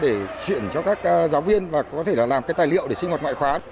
để chuyển cho các giáo viên và có thể làm tài liệu để sinh hoạt ngoại khóa